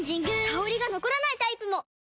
香りが残らないタイプも！